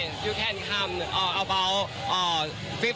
ที่สนชนะสงครามเปิดเพิ่ม